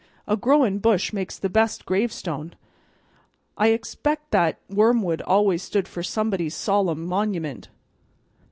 A growin' bush makes the best gravestone; I expect that wormwood always stood for somebody's solemn monument.